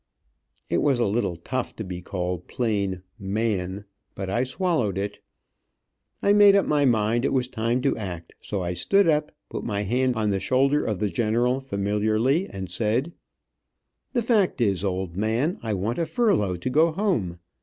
It was a little tough to be called plain "man," but I swallowed it. I made up my mind it was time to act, so I stood up, put my hand on the shoulder of the general familiarly, and said: "The fact is, old man, I want a furlough to go home.